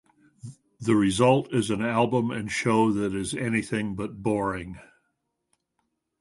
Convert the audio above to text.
The result is an album and show that is anything but boring.